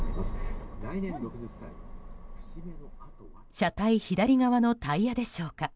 車体左側のタイヤでしょうか。